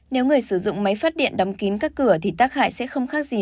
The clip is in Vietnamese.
nếu người sử dụng máy phát điện đóng kín các cửa thì tác hại sẽ không khác gì